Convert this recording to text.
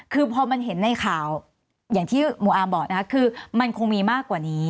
คือพอมันเห็นในข่าวอย่างที่หมู่อาร์มบอกนะคะคือมันคงมีมากกว่านี้